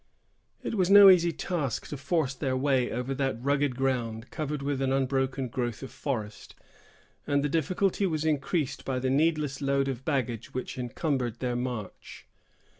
It was no easy task to force their way over that rugged ground, covered with an unbroken growth of forest; and the difficulty was increased by the needless load of baggage which encumbered their march.